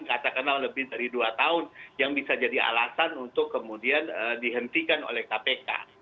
katakanlah lebih dari dua tahun yang bisa jadi alasan untuk kemudian dihentikan oleh kpk